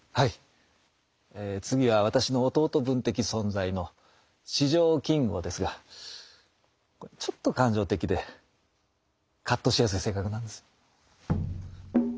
え次は私の弟分的存在の四条金吾ですがちょっと感情的でカッとしやすい性格なんです。